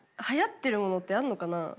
はやってるものってあるのかな？